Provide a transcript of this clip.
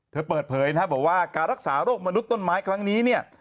เปิดเผยนะครับบอกว่าการรักษาโรคมนุษย์ต้นไม้ครั้งนี้เนี่ย